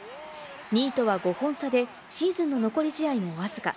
２位とは５本差でシーズンの残り試合もわずか。